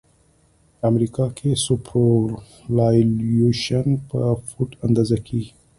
امریکا کې سوپرایلیویشن په فوټ اندازه کیږي